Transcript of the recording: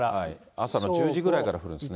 朝の１０時ごろから降るんですね。